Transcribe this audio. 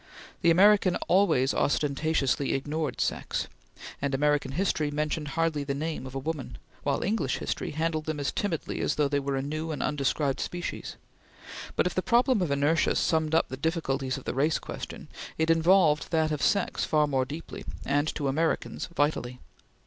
The American always ostentatiously ignored sex, and American history mentioned hardly the name of a woman, while English history handled them as timidly as though they were a new and undescribed species; but if the problem of inertia summed up the difficulties of the race question, it involved that of sex far more deeply, and to Americans vitally.